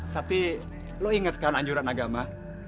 tapi lo inget kan anjuran agama